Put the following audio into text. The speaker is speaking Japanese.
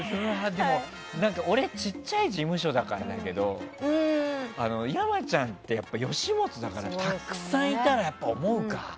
でも、俺ちっちゃい事務所だからだけど山ちゃんってやっぱり吉本だからたくさんいたら、思うか。